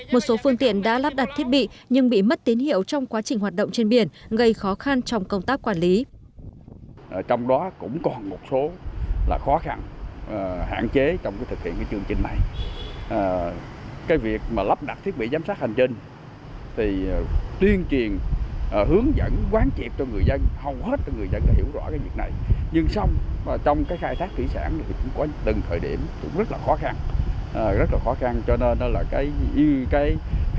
một số phương tiện đã lắp đặt thiết bị nhưng bị mất tín hiệu trong quá trình hoạt động trên biển gây khó khăn trong công tác quản lý